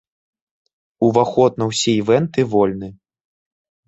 Уваход на ўсе івэнты вольны.